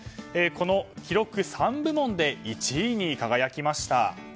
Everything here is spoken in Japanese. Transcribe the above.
この記録３部門で１位に輝きました。